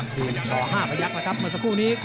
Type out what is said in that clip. เป็นช่อ๕ระยักษณ์เลยครับเมื่อสักครู่นี้